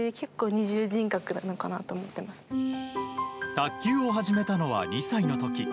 卓球を始めたのは２歳の時。